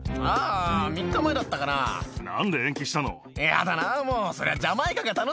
ヤダなもうそりゃ。